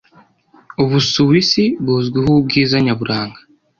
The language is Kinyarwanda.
Ubusuwisi buzwiho ubwiza nyaburanga.